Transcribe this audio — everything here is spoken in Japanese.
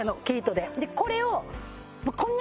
でこれを。